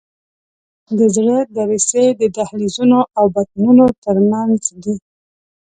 د زړه دریڅې د دهلیزونو او بطنونو تر منځ دي.